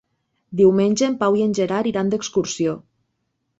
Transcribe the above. Diumenge en Pau i en Gerard iran d'excursió.